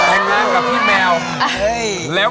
แต่งงานกับพี่แมว